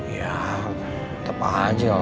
ya tepat aja